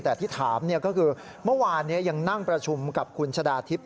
แต่ที่ถามก็คือเมื่อวานยังนั่งประชุมกับคุณชะดาทิพย